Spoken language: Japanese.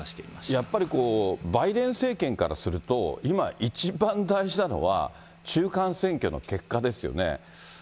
やっぱりこう、バイデン政権からすると、今、一番大事なのは、中間選挙の結果ですよね。